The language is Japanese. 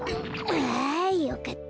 あよかった。